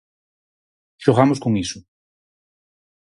Xogamos con iso.